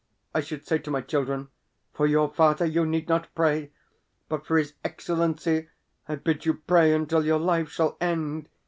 I should say to my children: "For your father you need not pray; but for his Excellency, I bid you pray until your lives shall end."